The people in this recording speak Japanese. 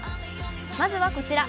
まずはこちら。